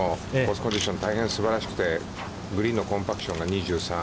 コンディション、大変すばらしくて、グリーンのコンパクションが２３。